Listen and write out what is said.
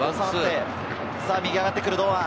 右、上がってくる堂安。